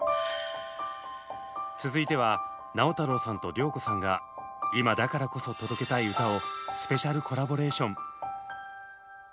続いては直太朗さんと良子さんが今だからこそ届けたい歌をスペシャルコラボレーション。